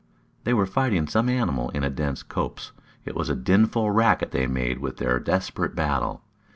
They were fighting some animal in a dense copse. It was a dinful racket they made in their desperate battle.